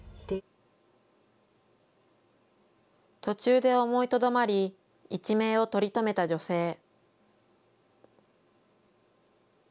途中で思いとどまり、一命を取り留めた女性。